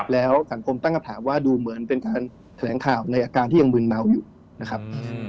แล้วสังคมตั้งคำถามว่าดูเหมือนเป็นการแถลงข่าวในอาการที่ยังมืนเมาอยู่นะครับ